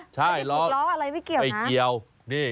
ใช่ล้ออะไรไม่เกี่ยวนะ